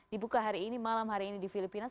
dibuka hari ini malam hari ini di filipina